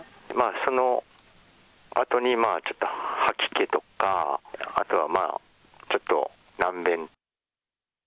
そのあとに、ちょっと吐き気とか、あとはちょっと軟便。